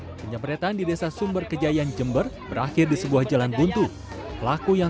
hai penyambretan di desa sumber kejayaan jember berakhir di sebuah jalan buntu pelaku yang